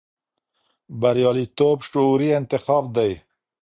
بریالیتوب شعوري انتخاب دی.